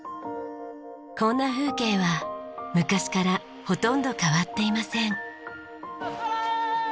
こんな風景は昔からほとんど変わっていません。